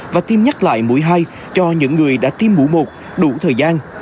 và tiêm nhắc lại mũi hai cho những người đã tiêm mũi một đủ thời gian